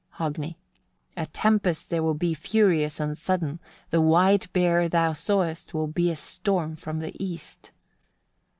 Hogni. 18. "A tempest there will be furious and sudden: the white bear thou sawest will be a storm from the east."